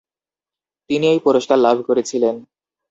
তিনি এই পুরস্কার লাভ করেছিলেন।